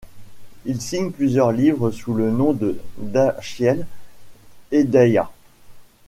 Il signe plusieurs livres sous le nom de Dashiell Hedayat.